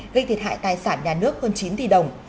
gây thiệt hại tài sản nhà nước hơn chín tỷ đồng